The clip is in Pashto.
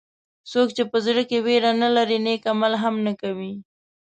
څوک چې په زړه کې وېره نه لري نیک عمل هم نه کوي.